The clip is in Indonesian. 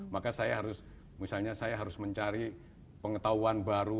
maka saya harus misalnya saya harus mencari pengetahuan baru